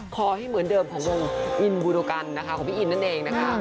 ให้เหมือนเดิมของวงอินบูโดกันนะคะของพี่อินนั่นเองนะคะ